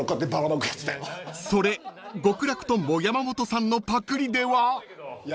［それ極楽とんぼ山本さんのパクリでは？］